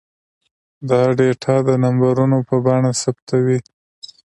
دا ډاټا د نمبرونو په بڼه ثبتوي.